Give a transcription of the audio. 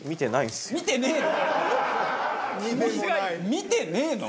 見てねえの？